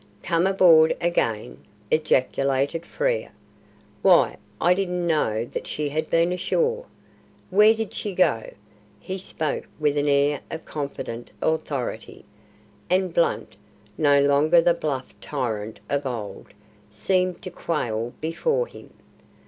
"Come aboard again!" ejaculated Frere. "Why, I didn't know that she had been ashore. Where did she go?" He spoke with an air of confident authority, and Blunt no longer the bluff tyrant of old seemed to quail before him.